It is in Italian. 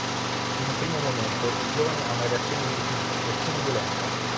In un primo momento il giovane ha una reazione di rifiuto, persino violenta.